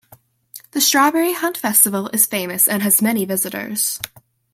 The Strawberry Hunt Festival is famous and has many visitors.